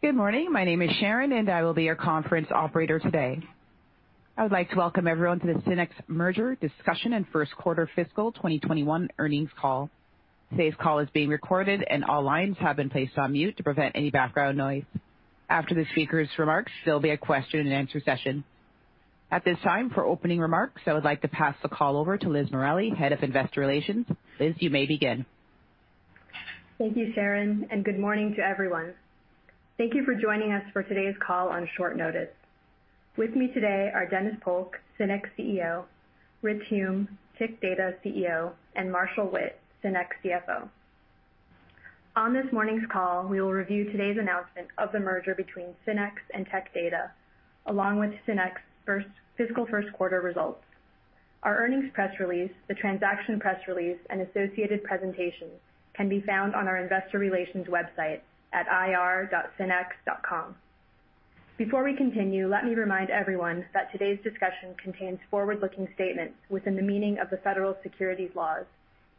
Good morning. My name is Sharon, and I will be your conference operator today. I would like to welcome everyone to the SYNNEX merger discussion and first quarter fiscal 2021 earnings call. Today's call is being recorded, and all lines have been placed on mute to prevent any background noise. After the speakers' remarks, there'll be a question and answer session. At this time, for opening remarks, I would like to pass the call over to Liz Morali, Head of Investor Relations. Liz, you may begin. Thank you, Sharon. Good morning to everyone. Thank you for joining us for today's call on short notice. With me today are Dennis Polk, SYNNEX CEO, Rich Hume, Tech Data CEO, and Marshall Witt, SYNNEX CFO. On this morning's call, we will review today's announcement of the merger between SYNNEX and Tech Data, along with SYNNEX fiscal first quarter results. Our earnings press release, the transaction press release, and associated presentations can be found on our investor relations website at ir.synnex.com. Before we continue, let me remind everyone that today's discussion contains forward-looking statements within the meaning of the federal securities laws,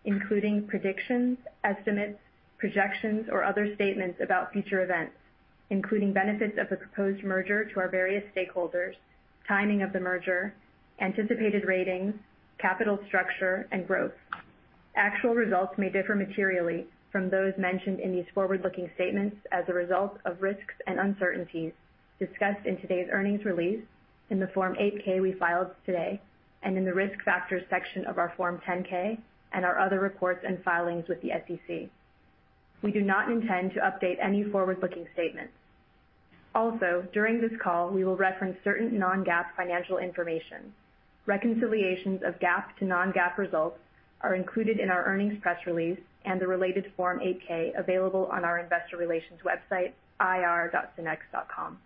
including predictions, estimates, projections, or other statements about future events, including benefits of the proposed merger to our various stakeholders, timing of the merger, anticipated ratings, capital structure, and growth. Actual results may differ materially from those mentioned in these forward-looking statements as a result of risks and uncertainties discussed in today's earnings release, in the Form 8-K we filed today, and in the Risk Factors section of our Form 10-K, and our other reports and filings with the SEC. We do not intend to update any forward-looking statements. During this call, we will reference certain non-GAAP financial information. Reconciliations of GAAP to non-GAAP results are included in our earnings press release and the related Form 8-K available on our investor relations website, ir.synnex.com.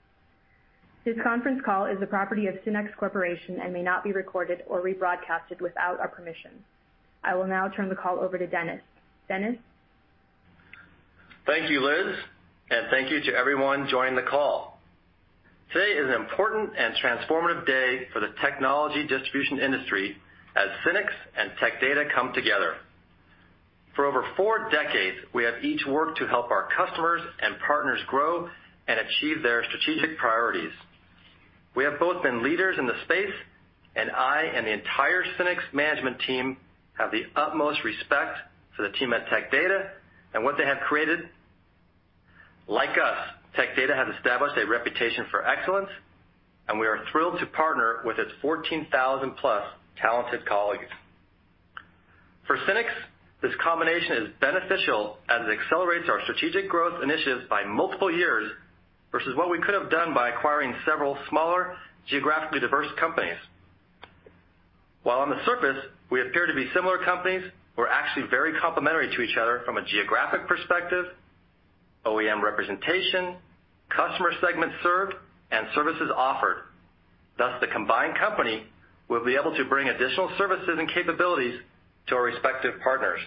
This conference call is the property of SYNNEX Corporation and may not be recorded or rebroadcasted without our permission. I will now turn the call over to Dennis Polk. Dennis? Thank you, Liz, and thank you to everyone joining the call. Today is an important and transformative day for the technology distribution industry as SYNNEX and Tech Data come together. For over four decades, we have each worked to help our customers and partners grow and achieve their strategic priorities. We have both been leaders in the space, and I and the entire SYNNEX management team have the utmost respect for the team at Tech Data and what they have created. Like us, Tech Data has established a reputation for excellence, and we are thrilled to partner with its 14,000+ talented colleagues. For SYNNEX, this combination is beneficial as it accelerates our strategic growth initiatives by multiple years versus what we could have done by acquiring several smaller, geographically diverse companies. While on the surface, we appear to be similar companies, we're actually very complementary to each other from a geographic perspective, OEM representation, customer segments served, and services offered. Thus, the combined company will be able to bring additional services and capabilities to our respective partners.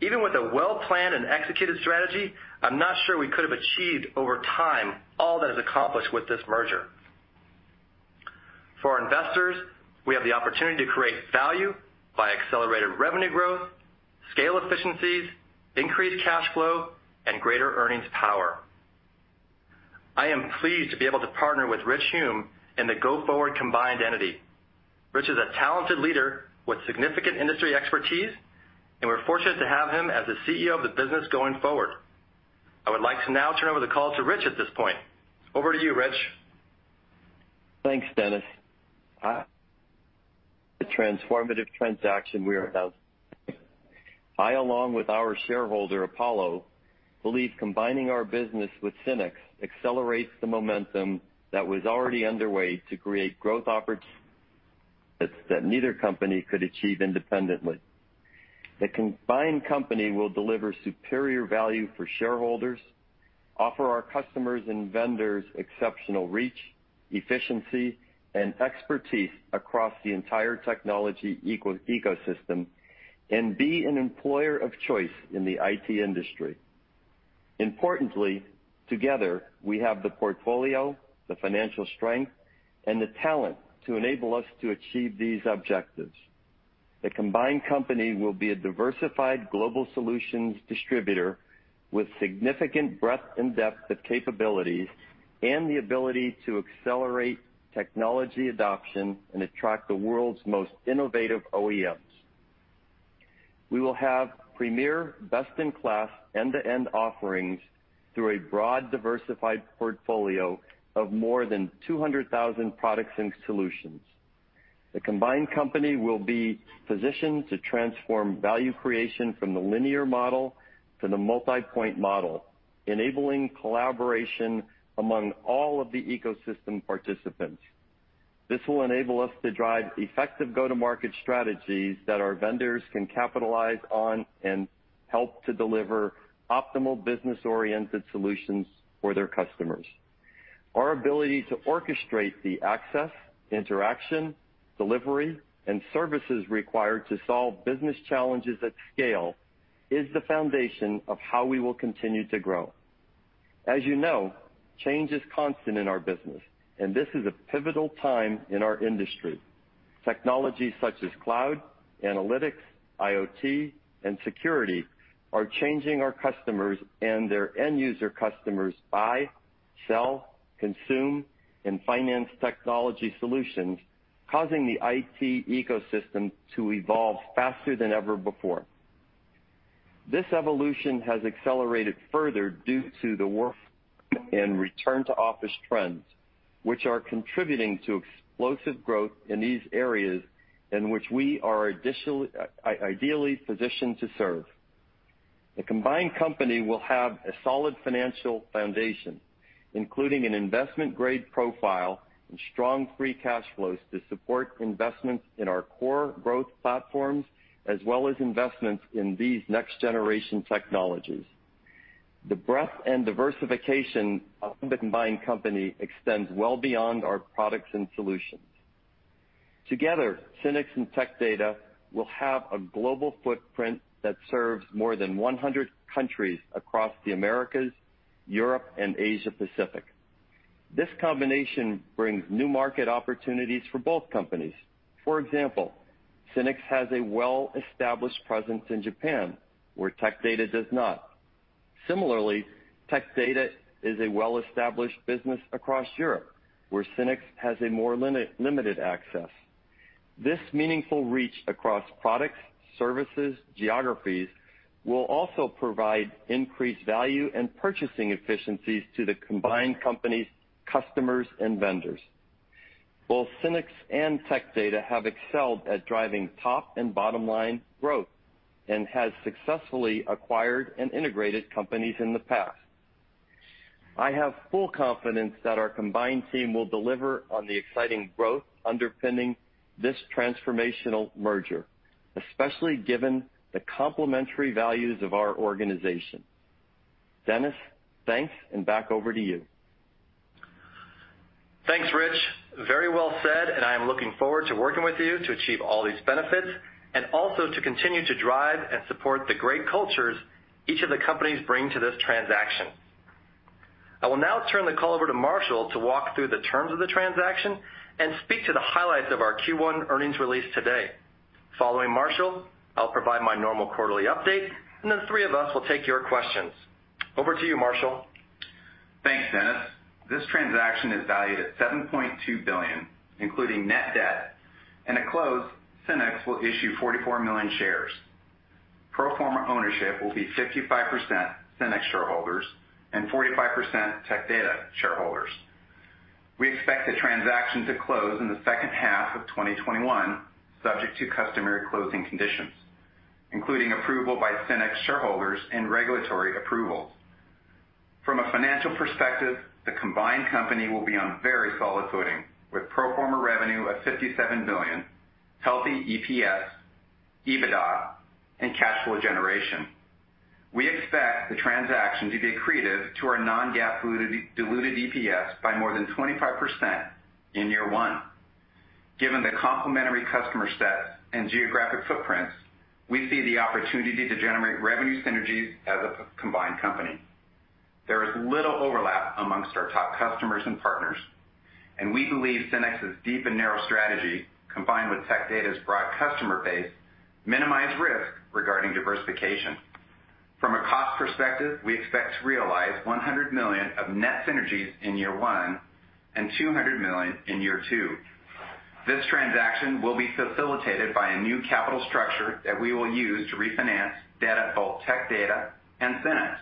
Even with a well-planned and executed strategy, I'm not sure we could have achieved over time all that is accomplished with this merger. For our investors, we have the opportunity to create value by accelerated revenue growth, scale efficiencies, increased cash flow, and greater earnings power. I am pleased to be able to partner with Rich Hume in the go-forward combined entity. Rich is a talented leader with significant industry expertise, and we're fortunate to have him as the CEO of the business going forward. I would like to now turn over the call to Rich Hume at this point. Over to you, Rich. Thanks, Dennis. The transformative transaction we are announcing, I, along with our shareholder, Apollo, believe combining our business with SYNNEX accelerates the momentum that was already underway to create growth opportunities that neither company could achieve independently. The combined company will deliver superior value for shareholders, offer our customers and vendors exceptional reach, efficiency, and expertise across the entire technology ecosystem, and be an employer of choice in the IT industry. Importantly, together, we have the portfolio, the financial strength, and the talent to enable us to achieve these objectives. The combined company will be a diversified global solutions distributor with significant breadth and depth of capabilities and the ability to accelerate technology adoption and attract the world's most innovative OEMs. We will have premier, best-in-class end-to-end offerings through a broad, diversified portfolio of more than 200,000 products and solutions. The combined company will be positioned to transform value creation from the linear model to the multi-point model, enabling collaboration among all of the ecosystem participants. This will enable us to drive effective go-to-market strategies that our vendors can capitalize on and help to deliver optimal business-oriented solutions for their customers. Our ability to orchestrate the access, interaction, delivery, and services required to solve business challenges at scale is the foundation of how we will continue to grow. As you know, change is constant in our business, and this is a pivotal time in our industry. Technologies such as cloud, analytics, IoT, and security are changing our customers and their end-user customers buy, sell, consume, and finance technology solutions, causing the IT ecosystem to evolve faster than ever before. This evolution has accelerated further due to the work and return-to-office trends, which are contributing to explosive growth in these areas in which we are ideally positioned to serve. The combined company will have a solid financial foundation, including an investment-grade profile and strong free cash flows to support investments in our core growth platforms, as well as investments in these next-generation technologies. The breadth and diversification of the combined company extends well beyond our products and solutions. Together, SYNNEX and Tech Data will have a global footprint that serves more than 100 countries across the Americas, Europe, and Asia Pacific. This combination brings new market opportunities for both companies. For example, SYNNEX has a well-established presence in Japan, where Tech Data does not. Similarly, Tech Data is a well-established business across Europe, where SYNNEX has a more limited access. This meaningful reach across products, services, geographies will also provide increased value and purchasing efficiencies to the combined company's customers and vendors. Both SYNNEX and Tech Data have excelled at driving top and bottom-line growth and have successfully acquired and integrated companies in the past. I have full confidence that our combined team will deliver on the exciting growth underpinning this transformational merger, especially given the complementary values of our organization. Dennis, thanks, and back over to you. Thanks, Rich. Very well said, and I am looking forward to working with you to achieve all these benefits, and also to continue to drive and support the great cultures each of the companies bring to this transaction. I will now turn the call over to Marshall Witt to walk through the terms of the transaction and speak to the highlights of our Q1 earnings release today. Following Marshall Witt, I'll provide my normal quarterly update, and then the three of us will take your questions. Over to you, Marshall. Thanks, Dennis. This transaction is valued at $7.2 billion, including net debt. In a close, SYNNEX will issue 44 million shares. Pro forma ownership will be 55% SYNNEX shareholders and 45% Tech Data shareholders. We expect the transaction to close in the second half of 2021, subject to customary closing conditions, including approval by SYNNEX shareholders and regulatory approvals. From a financial perspective, the combined company will be on very solid footing, with pro forma revenue of $57 billion, healthy EPS, EBITDA, and cash flow generation. We expect the transaction to be accretive to our non-GAAP diluted EPS by more than 25% in year one. Given the complementary customer sets and geographic footprints, we see the opportunity to generate revenue synergies as a combined company. There is little overlap amongst our top customers and partners, and we believe SYNNEX's deep and narrow strategy, combined with Tech Data's broad customer base, minimize risk regarding diversification. From a cost perspective, we expect to realize $100 million of net synergies in year one and $200 million in year two. This transaction will be facilitated by a new capital structure that we will use to refinance debt at both Tech Data and SYNNEX.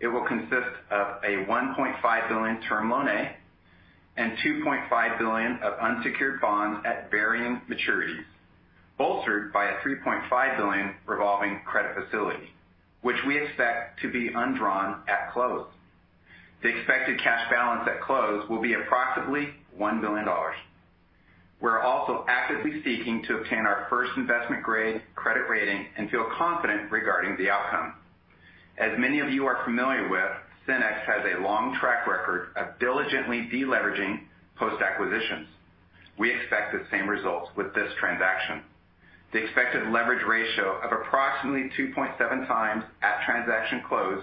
It will consist of a $1.5 billion term loan A and $2.5 billion of unsecured bonds at varying maturities, bolstered by a $3.5 billion revolving credit facility, which we expect to be undrawn at close. The expected cash balance at close will be approximately $1 billion. We're also actively seeking to obtain our first investment-grade credit rating and feel confident regarding the outcome. As many of you are familiar with, SYNNEX has a long track record of diligently de-leveraging post-acquisitions. We expect the same results with this transaction. The expected leverage ratio of approximately 2.7 times at transaction close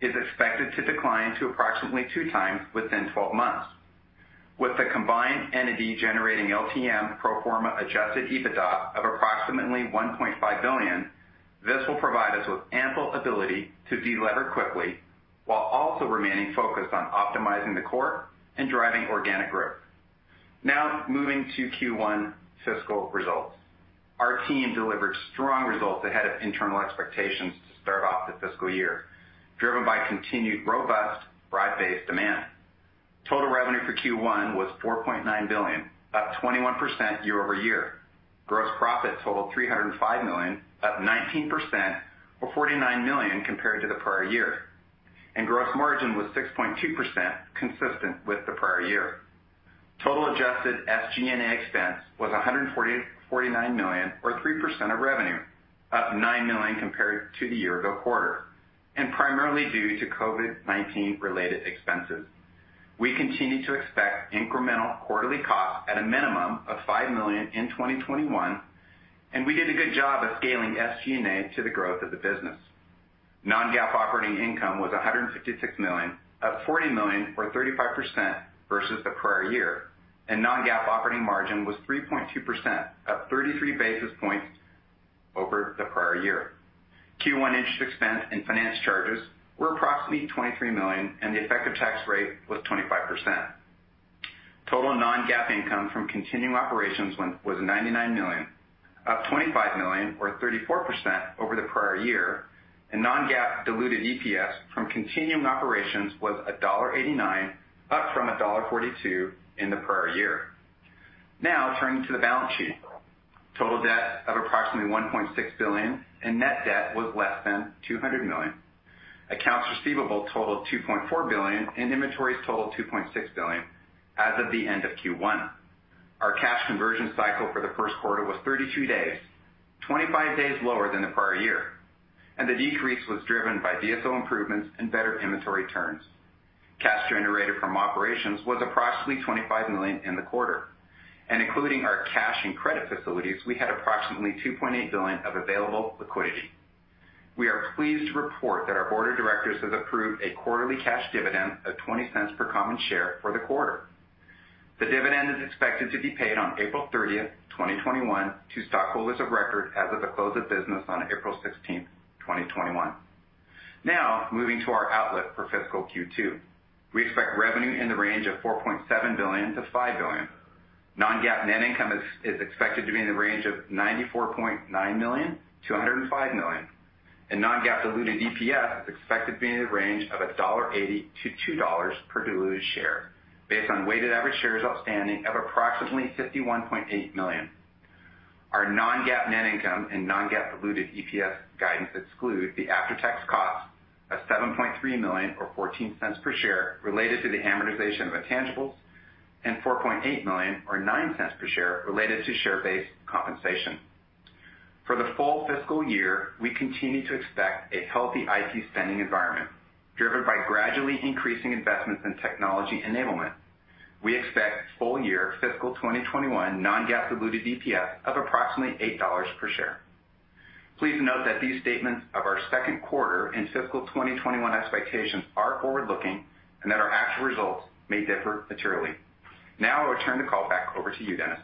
is expected to decline to approximately two times within 12 months. With the combined entity generating LTM pro forma adjusted EBITDA of approximately $1.5 billion, this will provide us with ample ability to de-lever quickly while also remaining focused on optimizing the core and driving organic growth. Now moving to Q1 fiscal results. Our team delivered strong results ahead of internal expectations to start off the fiscal year, driven by continued robust broad-based demand. Total revenue for Q1 was $4.9 billion, up 21% year-over-year. Gross profit totaled $305 million, up 19% or $49 million compared to the prior year. Gross margin was 6.2%, consistent with the prior year. Total adjusted SG&A expense was $149 million or 3% of revenue, up $9 million compared to the year ago quarter, primarily due to COVID-19 related expenses. We continue to expect incremental quarterly costs at a minimum of $5 million in 2021, we did a good job of scaling SG&A to the growth of the business. Non-GAAP operating income was $156 million, up $40 million or 35% versus the prior year, non-GAAP operating margin was 3.2%, up 33 basis points over the prior year. Q1 interest expense and finance charges were approximately $23 million, the effective tax rate was 25%. Total non-GAAP income from continuing operations was $99 million, up $25 million or 34% over the prior year, non-GAAP diluted EPS from continuing operations was $1.89, up from $1.42 in the prior year. Now, turning to the balance sheet. Total debt of approximately $1.6 billion. Net debt was less than $200 million. Accounts receivable totaled $2.4 billion. Inventories totaled $2.6 billion as of the end of Q1. Our cash conversion cycle for the first quarter was 32 days, 25 days lower than the prior year. The decrease was driven by DSO improvements and better inventory turns. Cash generated from operations was approximately $25 million in the quarter. Including our cash and credit facilities, we had approximately $2.8 billion of available liquidity. We are pleased to report that our board of directors has approved a quarterly cash dividend of $0.20 per common share for the quarter. The dividend is expected to be paid on April 30th, 2021 to stockholders of record as of the close of business on April 16th, 2021. Now moving to our outlook for fiscal Q2. We expect revenue in the range of $4.7 billion-$5 billion. Non-GAAP net income is expected to be in the range of $94.9 million-$105 million, and non-GAAP diluted EPS is expected to be in the range of $1.80-$2 per diluted share based on weighted average shares outstanding of approximately $51.8 million. Our non-GAAP net income and non-GAAP diluted EPS guidance exclude the after-tax cost of $7.3 million or $0.14 per share related to the amortization of intangibles and $4.8 million or $0.09 per share related to share-based compensation. For the full fiscal year, we continue to expect a healthy IT spending environment driven by gradually increasing investments in technology enablement. We expect full year fiscal 2021 non-GAAP diluted EPS of approximately $8 per share. Please note that these statements of our second quarter and fiscal 2021 expectations are forward-looking and that our actual results may differ materially. Now I will turn the call back over to you, Dennis.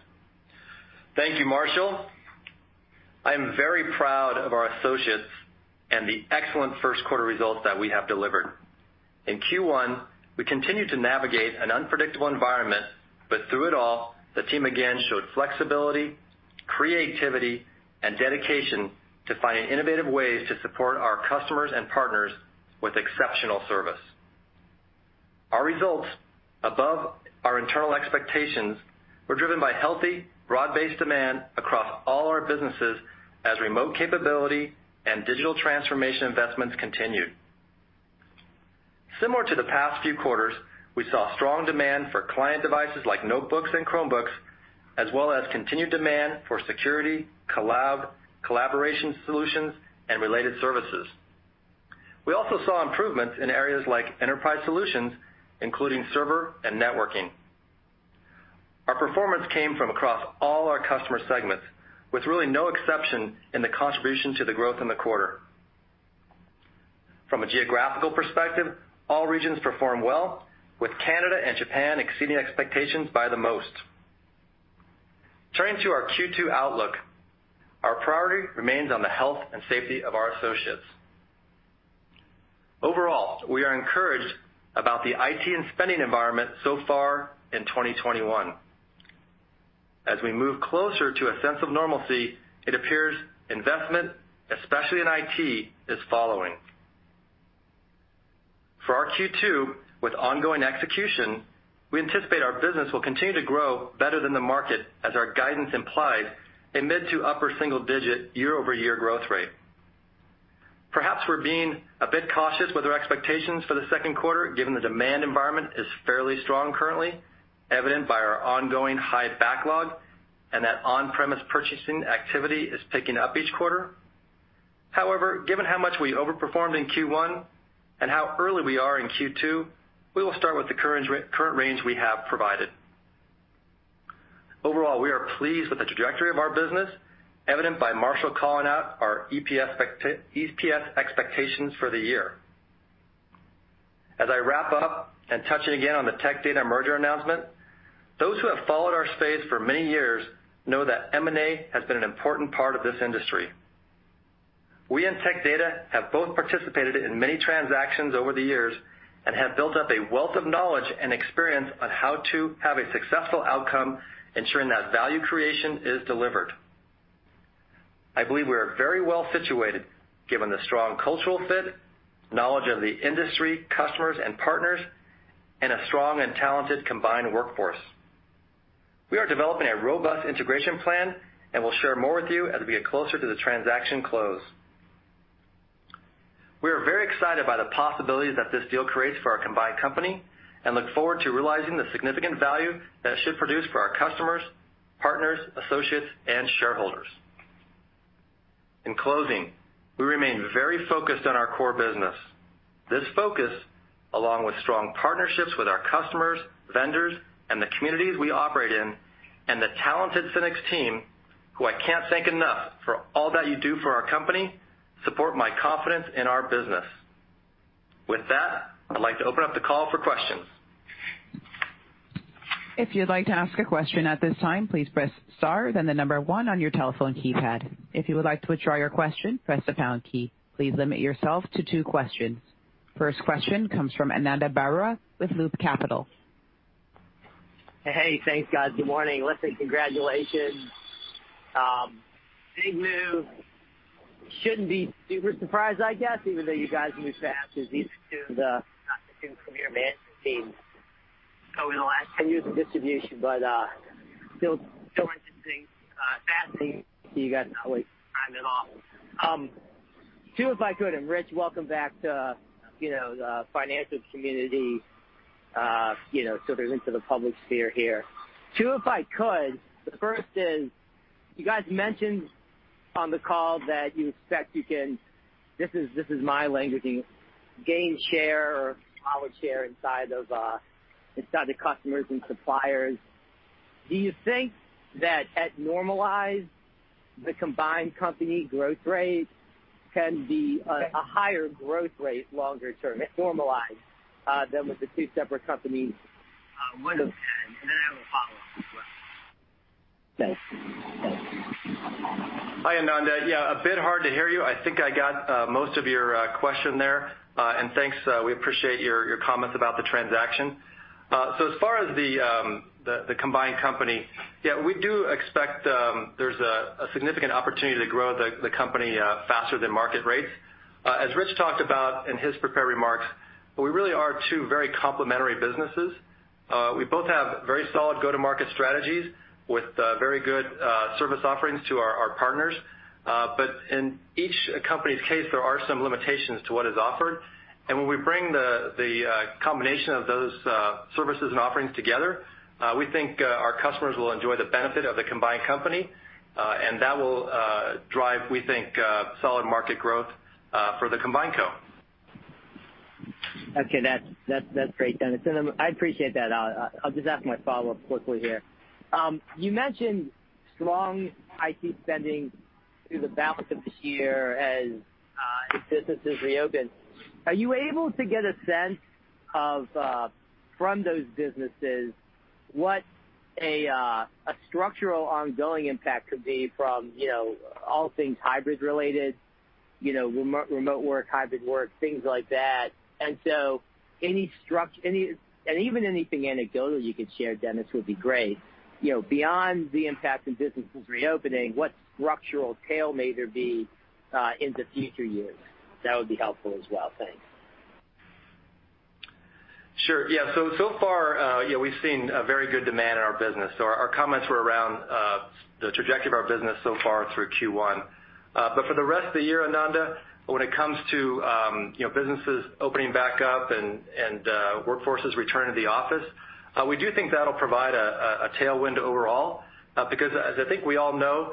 Thank you, Marshall. I am very proud of our associates and the excellent first quarter results that we have delivered. In Q1, we continued to navigate an unpredictable environment, but through it all, the team again showed flexibility, creativity, and dedication to finding innovative ways to support our customers and partners with exceptional service. Our results, above our internal expectations, were driven by healthy, broad-based demand across all our businesses as remote capability and digital transformation investments continued. Similar to the past few quarters, we saw strong demand for client devices like notebooks and Chromebooks, as well as continued demand for security, collaboration solutions, and related services. We also saw improvements in areas like enterprise solutions, including server and networking. Our performance came from across all our customer segments, with really no exception in the contribution to the growth in the quarter. From a geographical perspective, all regions performed well, with Canada and Japan exceeding expectations by the most. Turning to our Q2 outlook, our priority remains on the health and safety of our associates. Overall, we are encouraged about the IT and spending environment so far in 2021. As we move closer to a sense of normalcy, it appears investment, especially in IT, is following. For our Q2, with ongoing execution, we anticipate our business will continue to grow better than the market as our guidance implies a mid to upper single-digit year-over-year growth rate. Perhaps we're being a bit cautious with our expectations for the second quarter, given the demand environment is fairly strong currently, evident by our ongoing high backlog and that on-premise purchasing activity is picking up each quarter. However, given how much we overperformed in Q1 and how early we are in Q2, we will start with the current range we have provided. Overall, we are pleased with the trajectory of our business, evident by Marshall calling out our EPS expectations for the year. As I wrap up and touching again on the Tech Data merger announcement, those who have followed our space for many years know that M&A has been an important part of this industry. We and Tech Data have both participated in many transactions over the years and have built up a wealth of knowledge and experience on how to have a successful outcome, ensuring that value creation is delivered. I believe we are very well situated given the strong cultural fit, knowledge of the industry, customers, and partners, and a strong and talented combined workforce. We are developing a robust integration plan and will share more with you as we get closer to the transaction close. We are very excited by the possibilities that this deal creates for our combined company and look forward to realizing the significant value that it should produce for our customers, partners, associates, and shareholders. In closing, we remain very focused on our core business. This focus, along with strong partnerships with our customers, vendors, and the communities we operate in, and the talented SYNNEX team, who I can't thank enough for all that you do for our company, support my confidence in our business. With that, I'd like to open up the call for questions. If you'd like to ask a question at this time, please press star, then the number one on your telephone keypad. If you would like to withdraw your question, press the pound key. Please limit yourself to two questions. First question comes from Ananda Baruah with Loop Capital. Hey, thanks guys. Good morning. Listen, congratulations. Big move. Shouldn't be super surprised, I guess, even though you guys move fast as you've tuned the management team over the last 10 years of distribution. Still interesting, fascinating. You guys know I always find that off. Two if I could, Rich, welcome back to the finance community, sort of into the public sphere here. Two if I could. The first is, you guys mentioned on the call that you expect you can, this is my languaging, gain share or market share inside the customers and suppliers. Do you think that at normalized, the combined company growth rate can be a higher growth rate longer term at normalized, than with the two separate companies would have had? I have a follow-up question. Thanks. Hi, Ananda. Yeah, a bit hard to hear you. I think I got most of your question there. Thanks, we appreciate your comments about the transaction. As far as the combined company, yeah, we do expect there's a significant opportunity to grow the company faster than market rates. As Rich talked about in his prepared remarks, we really are two very complementary businesses. We both have very solid go-to-market strategies with very good service offerings to our partners. In each company's case, there are some limitations to what is offered. When we bring the combination of those services and offerings together, we think our customers will enjoy the benefit of the combined company, and that will drive, we think, solid market growth for the combined co. Okay, that's great, Dennis. I appreciate that. I'll just ask my follow-up quickly here. You mentioned strong IT spending through the balance of the year as businesses reopen. Are you able to get a sense from those businesses what a structural ongoing impact could be from all things hybrid-related, remote work, hybrid work, things like that. Even anything anecdotal you could share, Dennis, would be great. Beyond the impact of businesses reopening, what structural tail may there be in the future years? That would be helpful as well. Thanks. Sure. Yeah. So far we've seen a very good demand in our business. Our comments were around the trajectory of our business so far through Q1. For the rest of the year, Ananda, when it comes to businesses opening back up and workforces returning to the office, we do think that'll provide a tailwind overall. Because as I think we all know,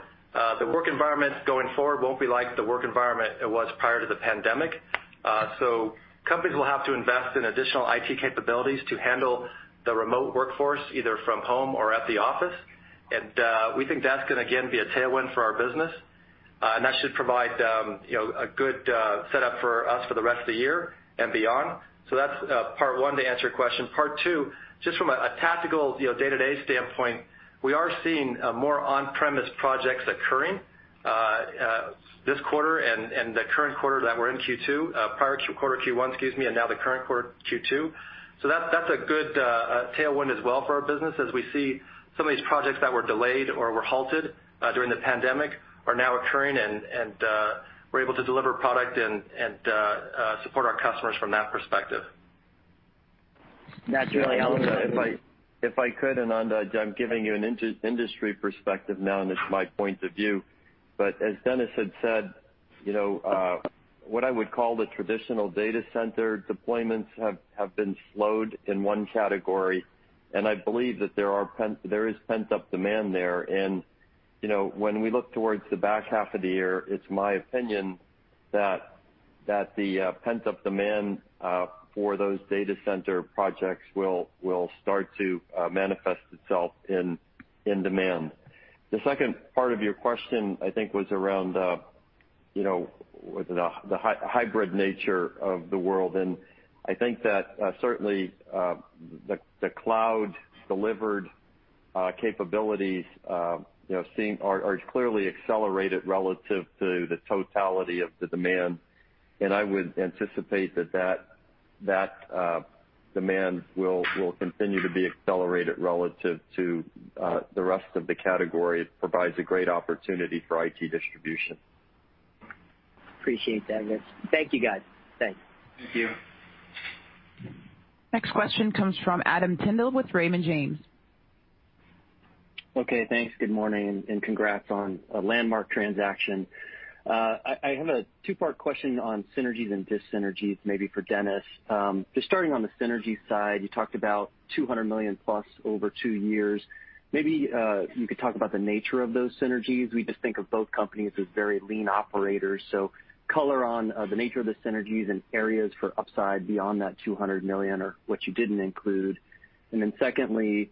the work environment going forward won't be like the work environment it was prior to the pandemic. Companies will have to invest in additional IT capabilities to handle the remote workforce, either from home or at the office. We think that's going to, again, be a tailwind for our business. That should provide a good setup for us for the rest of the year and beyond. That's part one to answer your question. Part two, just from a tactical, day-to-day standpoint, we are seeing more on-premise projects occurring this quarter and the current quarter that we're in, Q2. Prior quarter, Q1, excuse me, and now the current quarter, Q2. That's a good tailwind as well for our business as we see some of these projects that were delayed or were halted during the pandemic are now occurring, and we're able to deliver product and support our customers from that perspective. That's really helpful. If I could, Ananda, I'm giving you an industry perspective now, and this is my point of view. As Dennis had said, what I would call the traditional data center deployments have been slowed in one category. I believe that there is pent-up demand there. When we look towards the back half of the year, it's my opinion that the pent-up demand for those data center projects will start to manifest itself in demand. The second part of your question, I think, was around the hybrid nature of the world. I think that certainly the cloud-delivered capabilities are clearly accelerated relative to the totality of the demand. I would anticipate that demand will continue to be accelerated relative to the rest of the category. It provides a great opportunity for IT distribution. Appreciate that, Rich. Thank you, guys. Thanks. Thank you. Next question comes from Adam Tindle with Raymond James. Okay, thanks. Good morning. Congrats on a landmark transaction. I have a two-part question on synergies and dis-synergies, maybe for Dennis. Just starting on the synergy side, you talked about $200 million plus over two years. Maybe you could talk about the nature of those synergies. We just think of both companies as very lean operators. Color on the nature of the synergies and areas for upside beyond that $200 million, or what you didn't include. Secondly,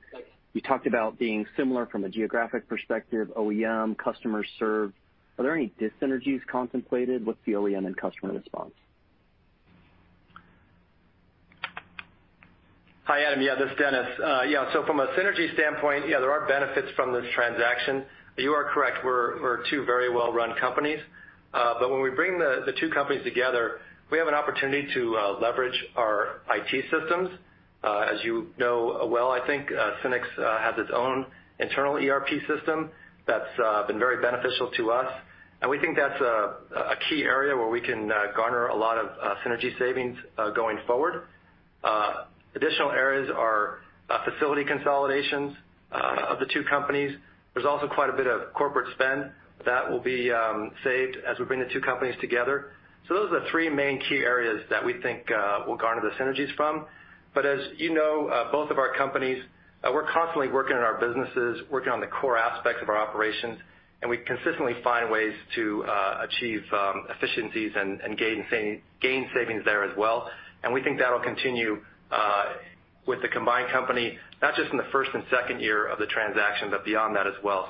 you talked about being similar from a geographic perspective, OEM, customers served. Are there any dis-synergies contemplated? What's the OEM and customer response? Hi, Adam. This is Dennis. From a synergy standpoint, there are benefits from this transaction. You are correct, we're two very well-run companies. When we bring the two companies together, we have an opportunity to leverage our IT systems. As you know well, I think, SYNNEX has its own internal ERP system that's been very beneficial to us, and we think that's a key area where we can garner a lot of synergy savings going forward. Additional areas are facility consolidations of the two companies. There's also quite a bit of corporate spend that will be saved as we bring the two companies together. Those are the three main key areas that we think we'll garner the synergies from. As you know, both of our companies, we're constantly working on our businesses, working on the core aspects of our operations, and we consistently find ways to achieve efficiencies and gain savings there as well. We think that'll continue with the combined company, not just in the first and second year of the transaction, but beyond that as well.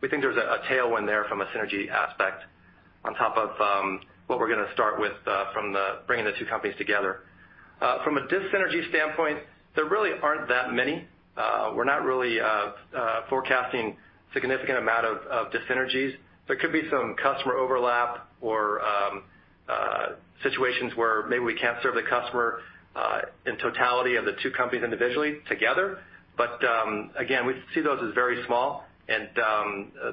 We think there's a tailwind there from a synergy aspect on top of what we're going to start with from bringing the two companies together. From a dis-synergy standpoint, there really aren't that many. We're not really forecasting significant amount of dis-synergies. There could be some customer overlap or situations where maybe we can't serve the customer in totality of the two companies individually together. Again, we see those as very small, and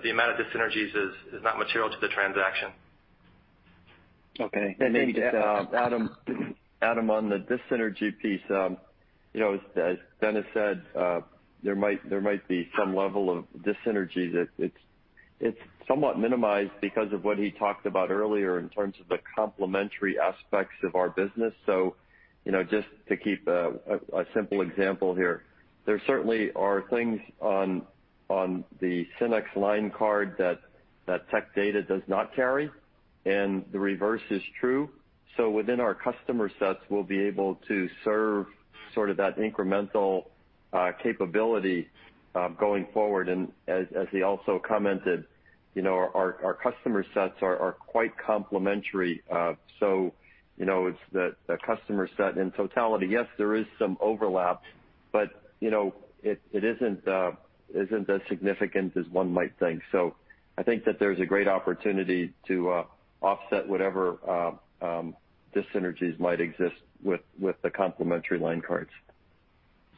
the amount of dis-synergies is not material to the transaction. Okay. Maybe to add, Adam Tindle, on the dis-synergy piece. As Dennis Polk said, there might be some level of dis-synergy that it's somewhat minimized because of what he talked about earlier in terms of the complementary aspects of our business. Just to keep a simple example here, there certainly are things on the SYNNEX line card that Tech Data does not carry, and the reverse is true. Within our customer sets, we'll be able to serve sort of that incremental capability going forward. As he also commented, our customer sets are quite complementary. It's the customer set in totality. Yes, there is some overlap, but it isn't as significant as one might think. I think that there's a great opportunity to offset whatever dis-synergies might exist with the complementary line cards.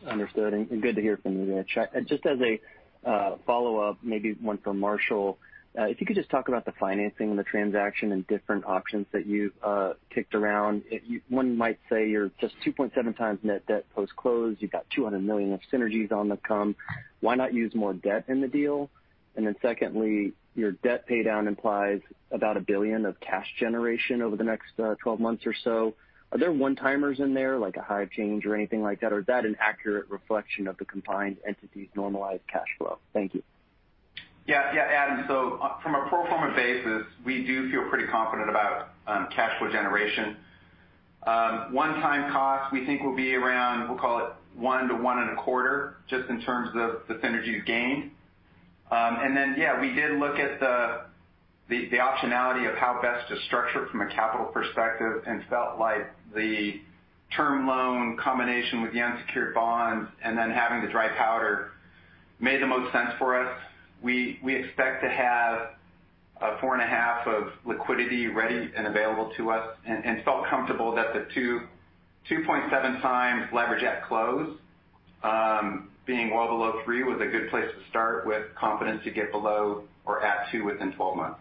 Understood, and good to hear from you. Just as a follow-up, maybe one for Marshall. If you could just talk about the financing and the transaction and different options that you've kicked around. One might say you're just 2.7 times net debt post-close. You've got $200 million of synergies on the come. Why not use more debt in the deal? Secondly, your debt paydown implies about $1 billion of cash generation over the next 12 months or so. Are there one-timers in there, like a Hyve Solutions change or anything like that? Is that an accurate reflection of the combined entity's normalized cash flow? Thank you. Yeah, Adam. From a pro forma basis, we do feel pretty confident about cash flow generation. One-time cost, we think will be around, we'll call it $1 to $1 and a quarter, just in terms of the synergies gained. Yeah, we did look at the optionality of how best to structure it from a capital perspective and felt like the term loan combination with the unsecured bonds and then having the dry powder made the most sense for us. We expect to have $4 and a half of liquidity ready and available to us, and felt comfortable that the 2.7 times leverage at close, being well below three, was a good place to start with confidence to get below or at two within 12 months.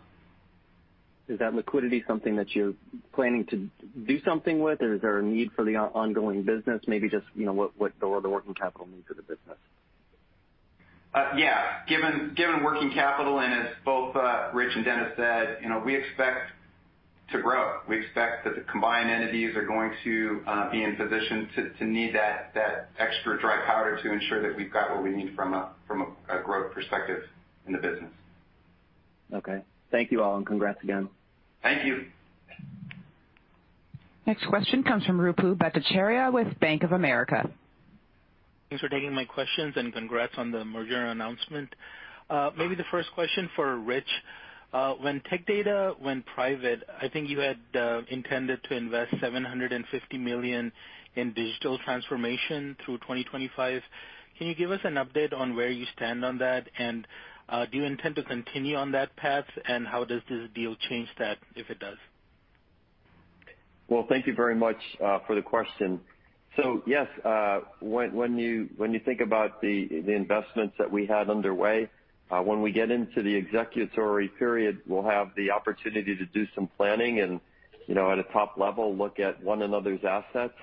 Is that liquidity something that you're planning to do something with? Is there a need for the ongoing business? Maybe just what are the working capital needs of the business? Yeah. Given working capital, and as both Rich and Dennis said, we expect to grow. We expect that the combined entities are going to be in position to need that extra dry powder to ensure that we've got what we need from a growth perspective in the business. Okay. Thank you all, and congrats again. Thank you. Next question comes from Ruplu Bhattacharya with Bank of America. Thanks for taking my questions, and congrats on the merger announcement. Maybe the first question for Rich Hume. When Tech Data went private, I think you had intended to invest $750 million in digital transformation through 2025. Can you give us an update on where you stand on that? Do you intend to continue on that path? How does this deal change that, if it does? Well, thank you very much for the question. Yes, when you think about the investments that we had underway, when we get into the executory period, we'll have the opportunity to do some planning and at a top level, look at one another's assets.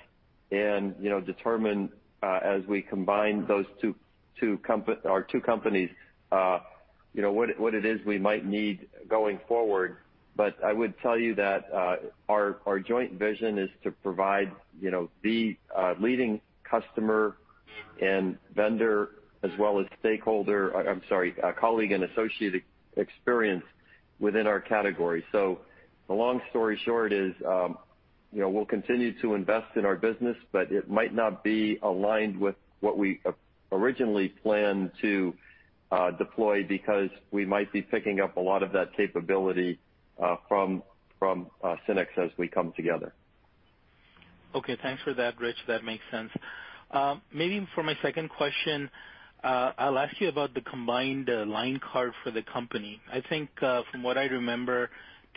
And determine as we combine our two companies, what it is we might need going forward. I would tell you that our joint vision is to provide the leading customer and vendor as well as colleague and associated experience within our category. The long story short is, we'll continue to invest in our business, but it might not be aligned with what we originally planned to deploy because we might be picking up a lot of that capability from SYNNEX as we come together. Thanks for that, Rich. That makes sense. Maybe for my second question, I'll ask you about the combined line card for the company. I think from what I remember,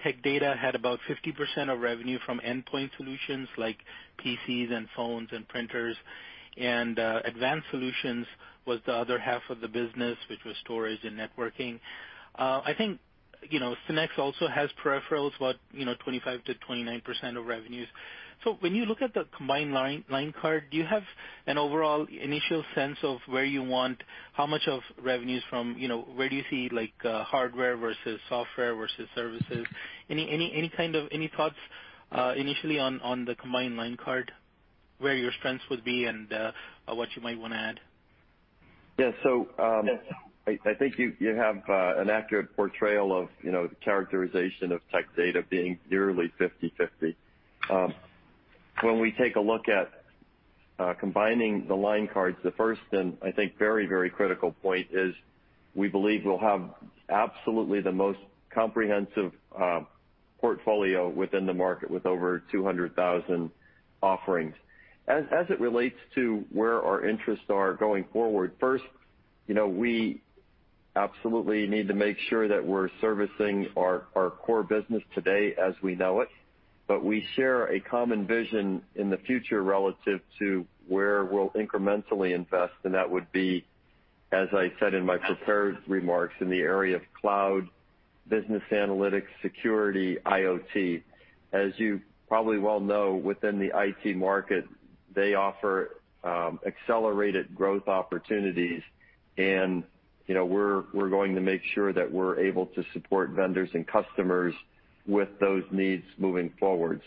Tech Data had about 50% of revenue from endpoint solutions like PCs and phones and printers, and Advanced Solutions was the other half of the business, which was storage and networking. I think SYNNEX also has peripherals, what, 25%-29% of revenues. When you look at the combined line card, do you have an overall initial sense of where you want, where do you see hardware versus software versus services? Any thoughts initially on the combined line card, where your strengths would be and what you might want to add? Yeah. I think you have an accurate portrayal of the characterization of Tech Data being nearly 50/50. When we take a look at combining the line cards, the first and I think very critical point is we believe we'll have absolutely the most comprehensive portfolio within the market with over 200,000 offerings. As it relates to where our interests are going forward, first, we absolutely need to make sure that we're servicing our core business today as we know it, but we share a common vision in the future relative to where we'll incrementally invest, and that would be, as I said in my prepared remarks, in the area of cloud business analytics, security, IoT. As you probably well know, within the IT market, they offer accelerated growth opportunities, and we're going to make sure that we're able to support vendors and customers with those needs moving forward.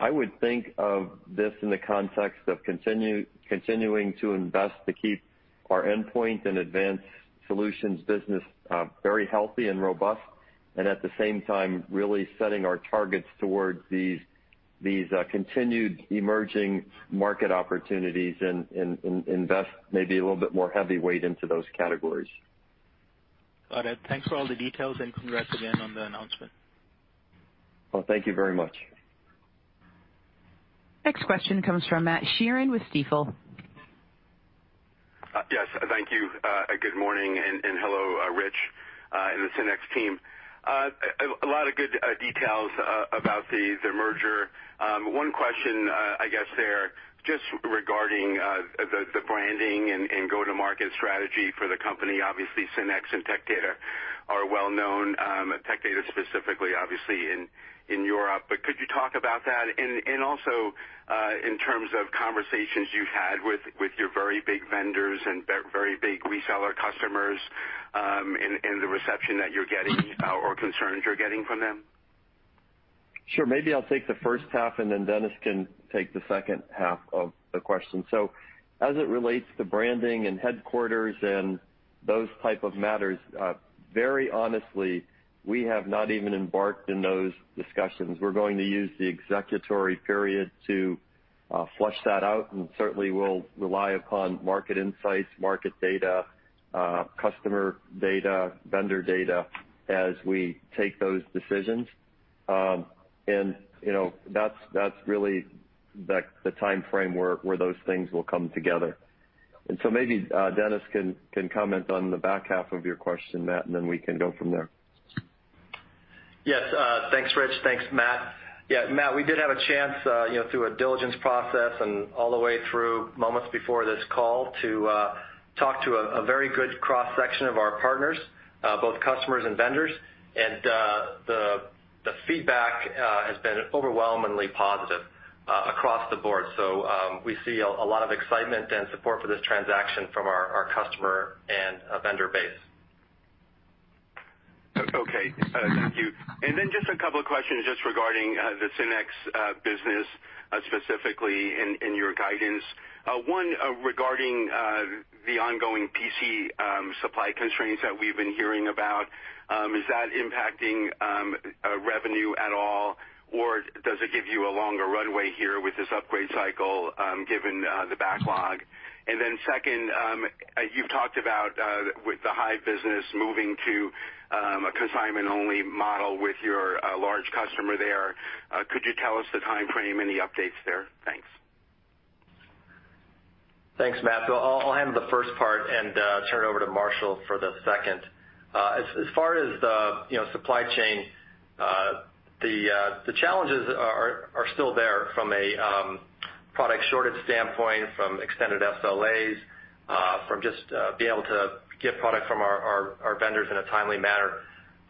I would think of this in the context of continuing to invest to keep our endpoint and advanced solutions business very healthy and robust, and at the same time, really setting our targets towards these continued emerging market opportunities and invest maybe a little bit more heavyweight into those categories. Got it. Thanks for all the details, and congrats again on the announcement. Well, thank you very much. Next question comes from Matt Sheerin with Stifel. Yes, thank you. Good morning, and hello Rich, and the SYNNEX team. A lot of good details about the merger. One question I guess there, just regarding the branding and go-to-market strategy for the company. Obviously, SYNNEX and Tech Data are well known, Tech Data specifically obviously in Europe. Could you talk about that? Also, in terms of conversations you've had with your very big vendors and very big reseller customers, and the reception that you're getting or concerns you're getting from them. Sure. Maybe I'll take the first half, and then Dennis can take the second half of the question. As it relates to branding and headquarters and those type of matters, very honestly, we have not even embarked in those discussions. We're going to use the executory period to flush that out, and certainly we'll rely upon market insights, market data, customer data, vendor data as we take those decisions. That's really the time frame where those things will come together. Maybe Dennis Polk can comment on the back half of your question, Matt Sheerin, and then we can go from there. Yes. Thanks, Rich. Thanks, Matt. Yeah, Matt, we did have a chance through a diligence process and all the way through moments before this call to talk to a very good cross-section of our partners, both customers and vendors. The feedback has been overwhelmingly positive across the board. We see a lot of excitement and support for this transaction from our customer and vendor base. Okay, thank you. Just a couple of questions just regarding the SYNNEX business specifically and your guidance. One regarding the ongoing PC supply constraints that we've been hearing about, is that impacting revenue at all, or does it give you a longer runway here with this upgrade cycle given the backlog? Second, you've talked about with the Hyve Solutions business moving to a consignment-only model with your large customer there, could you tell us the time frame, any updates there? Thanks. Thanks, Matt. I'll handle the first part and turn it over to Marshall Witt for the second. As far as the supply chain, the challenges are still there from a product shortage standpoint, from extended SLAs. From just being able to get product from our vendors in a timely manner.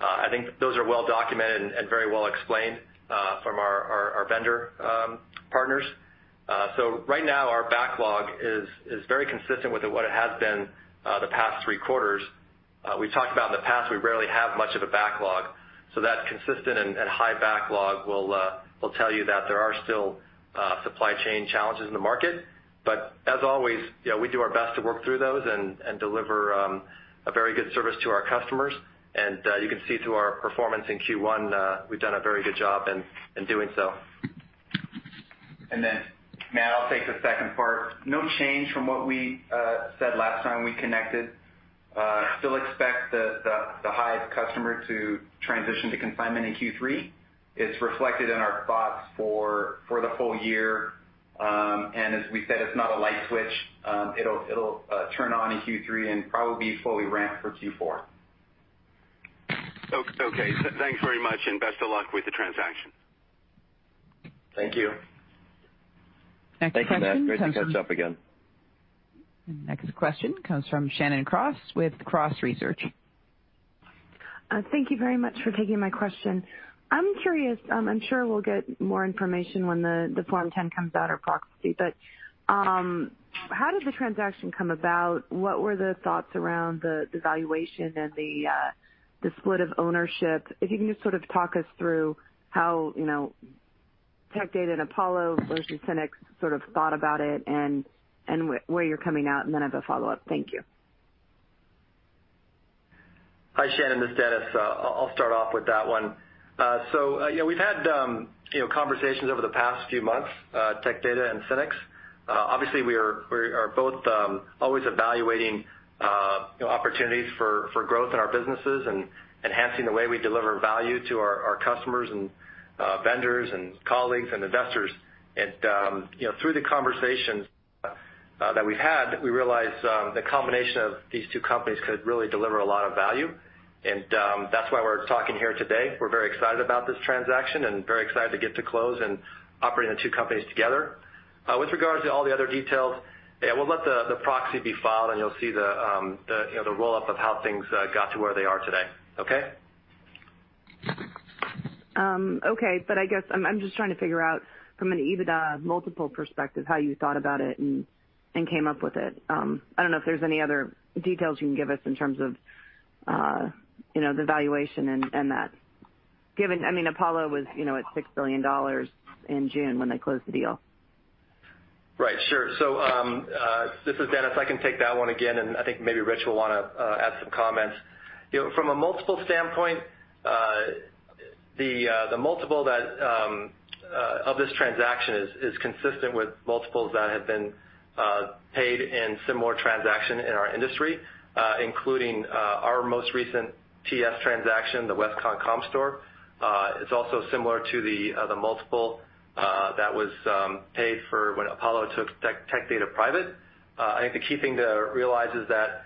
I think those are well documented and very well explained from our vendor partners. Right now, our backlog is very consistent with what it has been the past three quarters. We talked about in the past, we rarely have much of a backlog. That consistent and high backlog will tell you that there are still supply chain challenges in the market. As always, we do our best to work through those and deliver a very good service to our customers. You can see through our performance in Q1, we've done a very good job in doing so. Matt, I'll take the second part. No change from what we said last time we connected. Still expect the Hyve Solutions customer to transition to consignment in Q3. It's reflected in our thoughts for the full year. As we said, it's not a light switch. It'll turn on in Q3 and probably be fully ramped for Q4. Okay. Thanks very much. Best of luck with the transaction. Thank you. Thank you, Matt. Great to catch up again. Next question comes from Shannon Cross with Cross Research. Thank you very much for taking my question. I'm curious. I'm sure we'll get more information when the Form 10-K comes out, or proxy. How did the transaction come about? What were the thoughts around the valuation and the split of ownership? If you can just sort of talk us through how Tech Data and Apollo versus SYNNEX sort of thought about it, and where you're coming out. I have a follow-up. Thank you. Hi, Shannon. This is Dennis. I'll start off with that one. We've had conversations over the past few months, Tech Data and SYNNEX. Obviously, we are both always evaluating opportunities for growth in our businesses and enhancing the way we deliver value to our customers and vendors and colleagues and investors. Through the conversations that we've had, we realized the combination of these two companies could really deliver a lot of value, and that's why we're talking here today. We're very excited about this transaction and very excited to get to close and operating the two companies together. With regards to all the other details, we'll let the proxy be filed, and you'll see the roll-up of how things got to where they are today. Okay? Okay. I guess I'm just trying to figure out from an EBITDA multiple perspective how you thought about it and came up with it. I don't know if there's any other details you can give us in terms of the valuation and that. Given Apollo was at $6 billion in June when they closed the deal. Right. Sure. This is Dennis Polk. I can take that one again, and I think maybe Rich Hume will want to add some comments. From a multiple standpoint, the multiple of this transaction is consistent with multiples that have been paid in similar transaction in our industry, including our most recent TS transaction, the Westcon-Comstor. It's also similar to the multiple that was paid for when Apollo took Tech Data private. I think the key thing to realize is that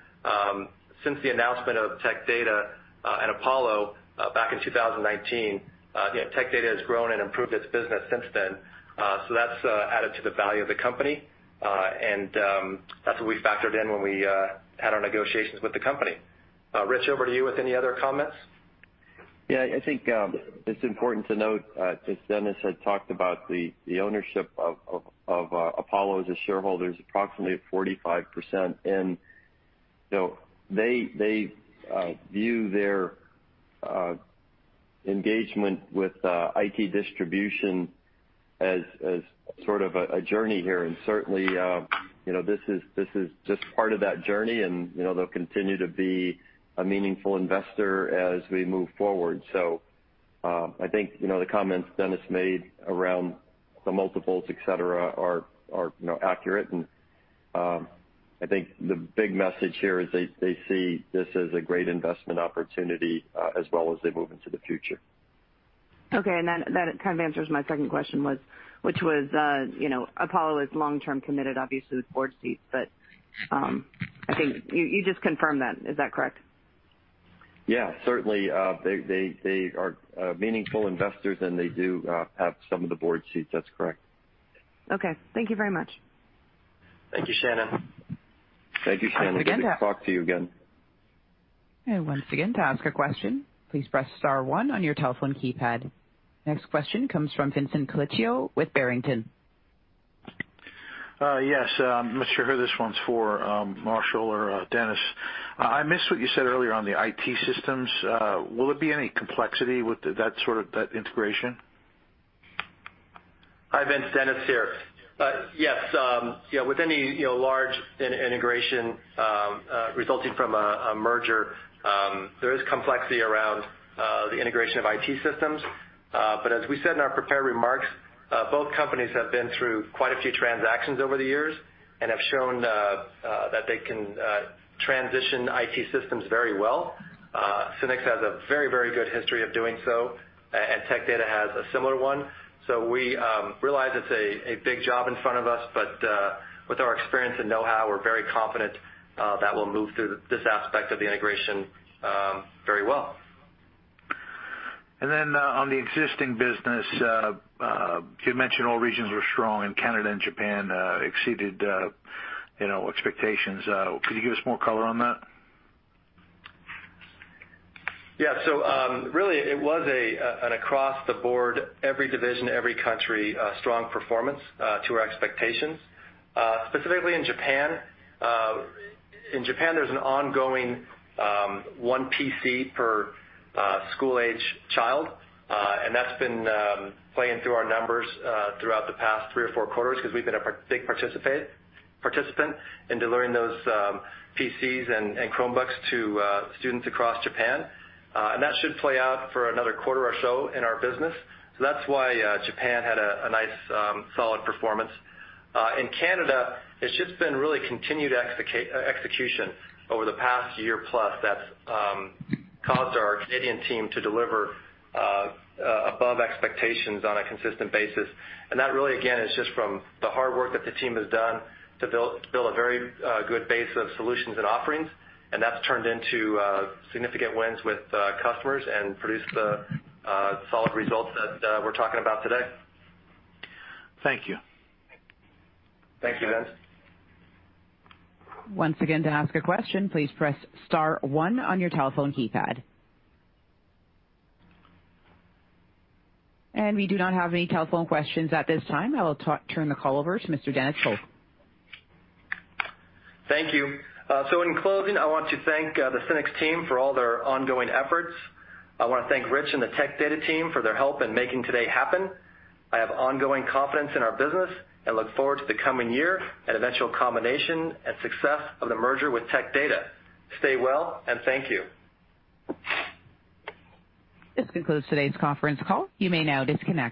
since the announcement of Tech Data and Apollo back in 2019, Tech Data has grown and improved its business since then. That's added to the value of the company, and that's what we factored in when we had our negotiations with the company. Rich Hume, over to you with any other comments. Yeah, I think it's important to note, as Dennis Polk had talked about, the ownership of Apollo as a shareholder is approximately 45%. They view their engagement with IT distribution as sort of a journey here. Certainly, this is just part of that journey, and they'll continue to be a meaningful investor as we move forward. I think the comments Dennis Polk made around the multiples, et cetera, are accurate. I think the big message here is they see this as a great investment opportunity as well as they move into the future. Okay, that kind of answers my second question, which was Apollo is long-term committed, obviously, with board seats, but I think you just confirmed that. Is that correct? Yeah, certainly. They are meaningful investors, and they do have some of the board seats. That's correct. Okay. Thank you very much. Thank you, Shannon. Thank you, Shannon. Good to talk to you again. Once again, to ask a question, please press star one on your telephone keypad. Next question comes from Vincent Colicchio with Barrington. Yes. I'm not sure who this one's for, Marshall or Dennis. I missed what you said earlier on the IT systems. Will there be any complexity with that integration? Hi, Vince. Dennis Polk here. Yes. With any large integration resulting from a merger, there is complexity around the integration of IT systems. As we said in our prepared remarks, both companies have been through quite a few transactions over the years and have shown that they can transition IT systems very well. SYNNEX has a very good history of doing so, and Tech Data has a similar one. We realize it's a big job in front of us, but with our experience and know-how, we're very confident that we'll move through this aspect of the integration very well. On the existing business, you mentioned all regions were strong and Canada and Japan exceeded expectations. Could you give us more color on that? Really it was an across the board, every division, every country, strong performance to our expectations. Specifically in Japan, in Japan, there's an ongoing one PC per school-age child, and that's been playing through our numbers throughout the past three or four quarters because we've been a big participant in delivering those PCs and Chromebooks to students across Japan. That should play out for another quarter or so in our business. That's why Japan had a nice, solid performance. In Canada, it's just been really continued execution over the past year plus that's caused our Canadian team to deliver above expectations on a consistent basis. That really, again, is just from the hard work that the team has done to build a very good base of solutions and offerings, and that's turned into significant wins with customers and produced the solid results that we're talking about today. Thank you. Thank you, Vince. Once again, to ask a question, please press star one on your telephone keypad. We do not have any telephone questions at this time. I will turn the call over to Mr. Dennis Polk. Thank you. In closing, I want to thank the SYNNEX team for all their ongoing efforts. I want to thank Rich and the Tech Data team for their help in making today happen. I have ongoing confidence in our business and look forward to the coming year and eventual combination and success of the merger with Tech Data. Stay well, and thank you. This concludes today's conference call. You may now disconnect.